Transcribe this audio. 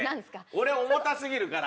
俺重たすぎるから。